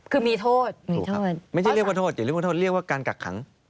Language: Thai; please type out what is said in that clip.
คือมีโทษไม่ใช่เรียกว่าโทษเรียกว่าการกักขัง